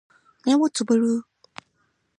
目をつぶる